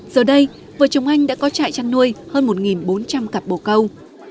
giờ đây vợ chồng anh đã có trại chăn nuôi hơn một bốn trăm linh cặp bồ câu